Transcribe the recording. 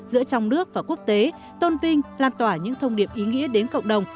giữa trong nước và quốc tế tôn vinh lan tỏa những thông điệp ý nghĩa đến cộng đồng